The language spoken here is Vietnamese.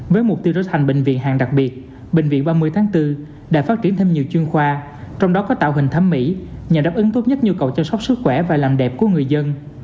với mục tiêu trở thành bệnh viện hàng đặc biệt bệnh viện ba mươi tháng bốn đã phát triển thêm nhiều chuyên khoa trong đó có tạo hình thẩm mỹ nhằm đáp ứng tốt nhất nhu cầu chăm sóc sức khỏe và làm đẹp của người dân